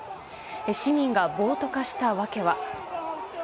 市民が暴徒化した訳は。